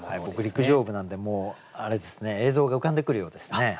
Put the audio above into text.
僕陸上部なんでもう映像が浮かんでくるようですね。